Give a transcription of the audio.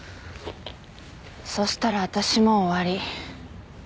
そしたら私も終わり。